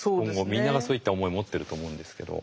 みんながそういった思い持ってると思うんですけど。